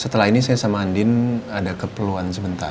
setelah ini saya sama andin ada keperluan sebentar